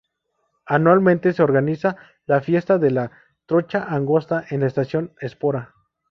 Anualmente se organiza la Fiesta de la Trocha Angosta, en la estación Espora.